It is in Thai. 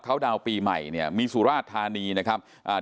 เขาดาวน์ปีใหม่เนี่ยมีสุราชธานีนะครับอ่า